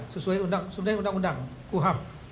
sesuai undang undang kuhp